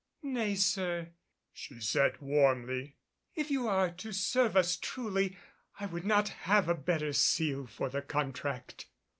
"Nay, sir," she said warmly, "if you are to serve us truly I would not have a better seal for the contract."